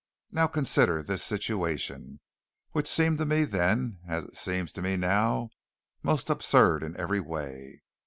Now consider this situation, which seemed to me then as it seems to me now, most absurd in every way.